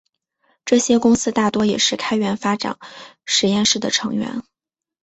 这些公司大多也是开源发展实验室的成员。